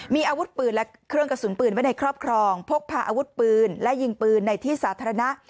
มีอาวุธปืนและเครื่องกระสุนปืนไว้ในครอบครองพกพาอาวุธปืนและยิงปืนในที่สาธารณะ